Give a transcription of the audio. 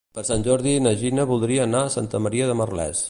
Per Sant Jordi na Gina voldria anar a Santa Maria de Merlès.